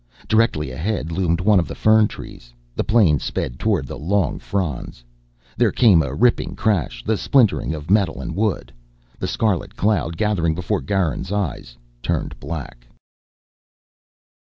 Directly ahead loomed one of the fern trees. The plane sped toward the long fronds. There came a ripping crash, the splintering of metal and wood. The scarlet cloud gathering before Garin's eyes turned black.